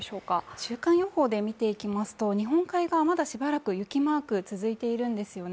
週間予報で見ていきますと、日本海側、まだしばらく雪マークが続いているんですよね。